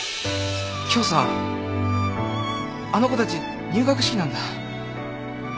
今日さあの子たち入学式なんだ。